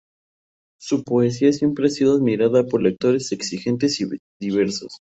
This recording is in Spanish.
Su poesía siempre ha sido admirada por lectores exigentes y diversos.